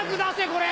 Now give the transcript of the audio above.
これ！